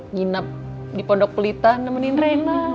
nginep di pondok pelita nemenin reyna